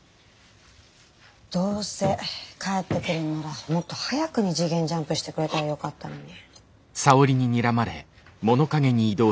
どうせ帰ってくるんならもっと早くに次元ジャンプしてくれたらよかったのに。